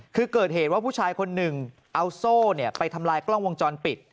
คือเกิดเหตุว่าผู้ชายคนหนึ่งเอาโซ่ไปทำลายกล้องวงจรปิด